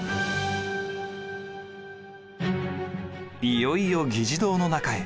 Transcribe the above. いよいよ議事堂の中へ。